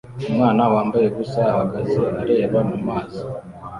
Umwana wambaye ubusa ahagaze areba mu mazi